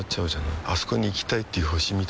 あそこに行きたいっていう星みたいなもんでさ